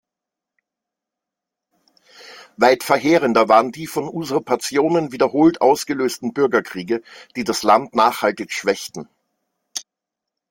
Weit verheerender waren die von Usurpationen wiederholt ausgelösten Bürgerkriege, die das Land nachhaltig schwächten.